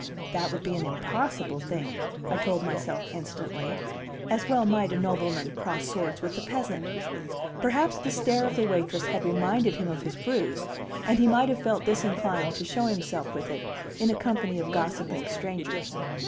That would be an impossible thing, I told myself instantly; as well might a nobleman cross swords with a peasant. Perhaps the stare of the waitress had reminded him of his bruise, and he might have felt disinclined to show himself with it in a company of gossiping strangers.